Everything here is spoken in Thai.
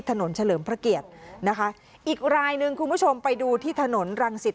เฉลิมพระเกียรตินะคะอีกรายหนึ่งคุณผู้ชมไปดูที่ถนนรังสิต